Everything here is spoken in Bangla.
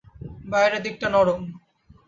বাইরের দিকটা নরম।